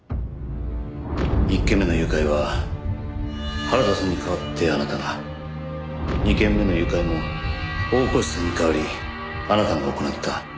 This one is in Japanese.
１件目の誘拐は原田さんに代わってあなたが２件目の誘拐も大河内さんに代わりあなたが行った。